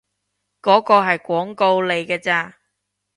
嗰個係廣告嚟㗎咋